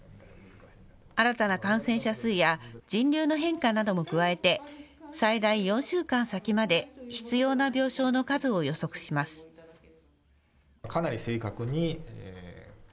新たな感染者数や人流の変化なども加えて最大４週間先まで必要な病床の数を予測します。